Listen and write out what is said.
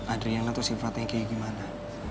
adriana tuh sifatnya kayak gimana